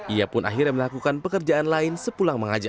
ia pun akhirnya melakukan pekerjaan lain sepulang mengajar